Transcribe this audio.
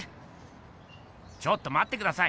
ちょっとまってください！